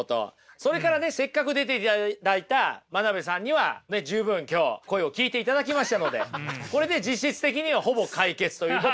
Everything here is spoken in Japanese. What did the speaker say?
それからねせっかく出ていただいた真鍋さんには十分今日声を聞いていただきましたのでこれで実質的にはほぼ解決ということで。